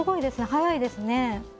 早いですね。